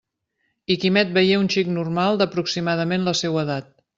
I Quimet veié un xic normal d'aproximadament la seua edat.